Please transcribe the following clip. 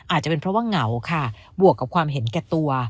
อาจจะเป็นเพราะว่าเหงาค่ะบวกกับความเห็นแก่ตัว